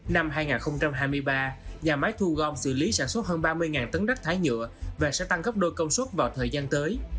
năm hai nghìn hai mươi ba nhà máy thu gom xử lý sản xuất hơn ba mươi tấn rác thải nhựa và sẽ tăng gấp đôi công suất vào thời gian tới